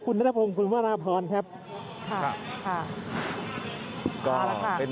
คุณภูริพัฒน์ครับ